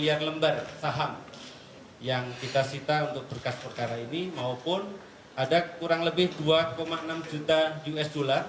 ada kurang lebih dua enam juta usd